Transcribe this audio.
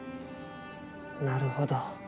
なるほど。